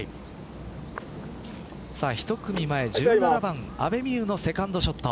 １組前、１７番阿部未悠のセカンドショット。